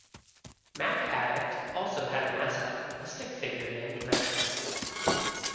"MacAddict" also had a mascot, a stick-figure named Max.